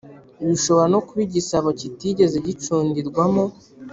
bishobora no kuba igisabo kitigeze gicundirwamo